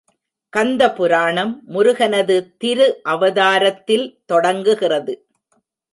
கந்த புராணம் முருகனது திரு அவதாரத்தில் தொடங்குகிறது.